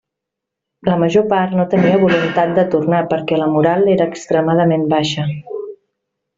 La major part no tenia voluntat de tornar perquè la moral era extremadament baixa.